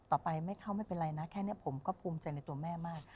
ต่อไปไม่เข้าไม่เป็นไรนะแค่นี้ผมก็ภูมิใจในตัวแม่มาก